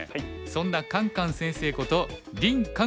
そんなカンカン先生こと林漢